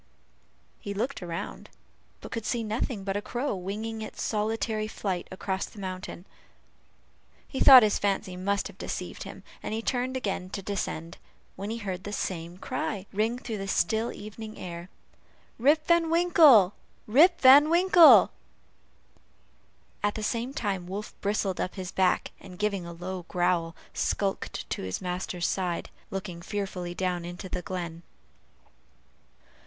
He looked around, but could see nothing but a crow winging its solitary flight across the mountain. He thought his fancy must have deceived him, and turned again to descend, when he heard the same cry ring through the still evening air, "Rip Van Winkle! Rip Van Winkle!" at the same time Wolf bristled up his back, and giving a low growl, skulked to his master's side, looking fearfully down into the glen.